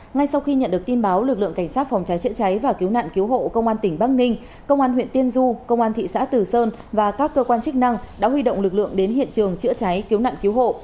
ngay sau khi nhận được tin báo lực lượng cảnh sát phòng cháy chữa cháy và cứu nạn cứu hộ công an tỉnh bắc ninh công an huyện tiên du công an thị xã tử sơn và các cơ quan chức năng đã huy động lực lượng đến hiện trường chữa cháy cứu nạn cứu hộ